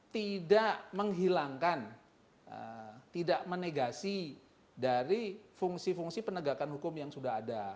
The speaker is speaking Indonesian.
tidak menghilangkan tidak menegasi dari fungsi fungsi penegakan hukum yang sudah ada